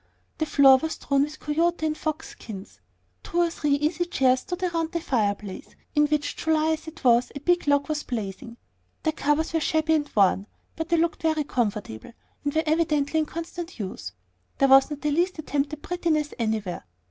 The floor was strewn with coyote and fox skins. Two or three easy chairs stood around the fireplace, in which, July as it was, a big log was blazing. Their covers were shabby and worn; but they looked comfortable, and were evidently in constant use. There was not the least attempt at prettiness anywhere.